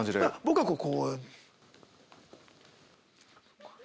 僕はこう。